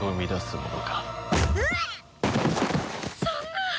そんな。